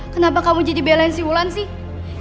kenapa kamu jadi belain si wulan sih